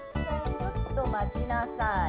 ちょっと待ちなさい。